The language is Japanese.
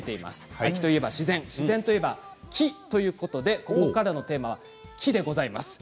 秋といえば自然自然といえば木ということでここからのテーマは木でございます。